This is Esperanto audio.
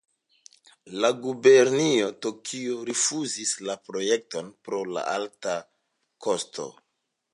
La gubernio Tokio rifuzis la projekton pro la alta kosto.